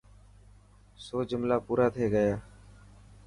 سو جملا پورا ٿي گيا.